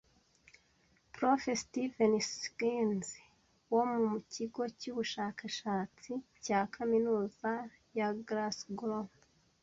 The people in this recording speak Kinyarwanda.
Prof Steven Sinkins wo mu kigo cy'ubushakashatsi cya kaminuza ya Glasgow